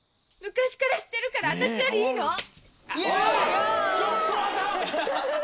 昔から知ってるから私よりいいの？